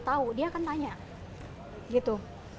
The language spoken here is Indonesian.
tahu dia akan tanya gitu